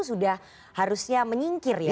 sudah harusnya menyingkir ya